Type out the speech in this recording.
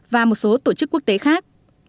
và một số tổ chức quốc tế khác